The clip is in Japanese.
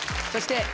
そして。